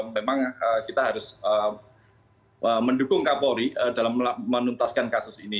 memang kita harus mendukung kapolri dalam menuntaskan kasus ini